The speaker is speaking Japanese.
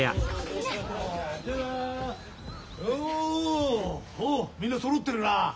みんなそろってるな！